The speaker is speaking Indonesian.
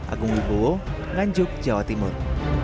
agung wibowo nganjuk jawa timur